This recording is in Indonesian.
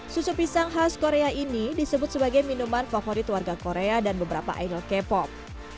susu pisang khas korea ini disebut sebagai minuman favorit warga korea dan beberapa idol k pop